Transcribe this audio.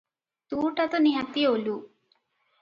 ତୁ ଟା ତ ନିହାତି ଓଲୁ ।